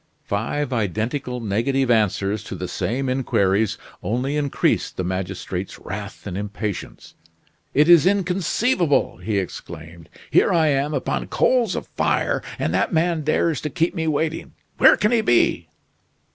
Five identical negative answers to the same inquiries only increased the magistrate's wrath and impatience. "It is inconceivable!" he exclaimed. "Here I am upon coals of fire, and that man dares to keep me waiting. Where can he be?"